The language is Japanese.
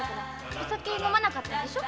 お酒は飲まなかったんでしょ？